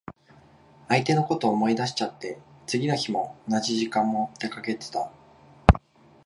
相手のこと思い出しちゃって、次の日の同じ時間も出かけてた。